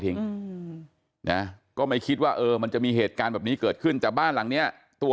นะก็ไม่คิดว่าเออมันจะมีเหตุการณ์แบบนี้เกิดขึ้นแต่บ้านหลังเนี้ยตัว